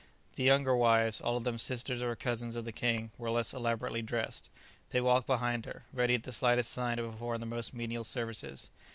The younger wives, all of them sisters or cousins of the king, were less elaborately dressed. They walked behind her, ready at the slightest sign to perform the most menial services.